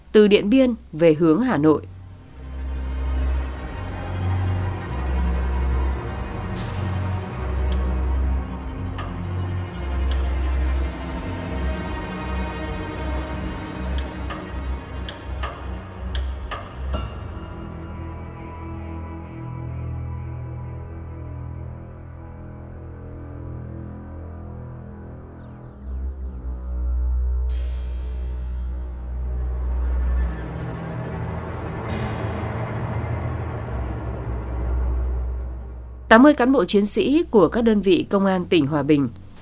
từ điện biên về hướng hà nội